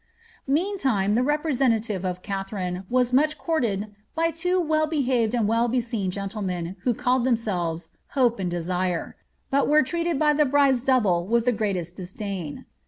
Meantime the representative of Katharine was much courted ^ by two well behaved and well beseen gentlemen, who called themselves Hope and Desire;" but were treated by the bride's double with the greatest disdain.